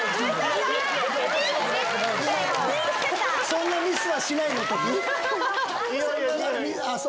「そんなミスはしない」の時？